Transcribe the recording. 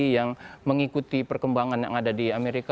yang mengikuti perkembangan yang ada di amerika